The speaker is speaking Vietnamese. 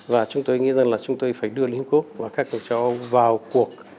và chúng tôi nghĩ rằng là chúng tôi phải đưa liên hợp quốc và các cuộc châu âu vào cuộc